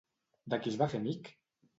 De qui es va fer amic?